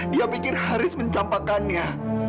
dia pikir haris mencampakannya